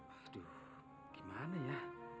aduh gimana ya